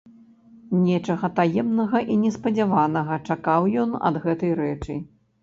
Нечага таемнага і неспадзяванага чакаў ён ад гэтай рэчы.